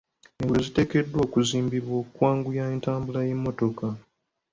Enguudo ziteekeddwa okuzimbibwa okwanguya entambula y'emmotoka.